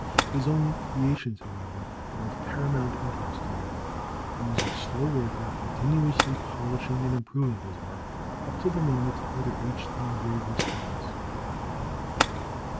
His own creations however, were of paramount interest to him. He was a slow worker, continually polishing and improving his work up to the moment that it reached the engraver's hands.